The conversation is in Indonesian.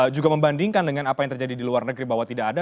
juga membandingkan dengan apa yang terjadi di luar negeri bahwa tidak ada